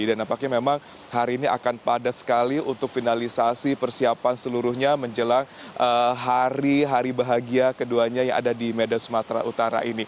dan nampaknya memang hari ini akan padat sekali untuk finalisasi persiapan seluruhnya menjelang hari hari bahagia keduanya yang ada di medan sumatera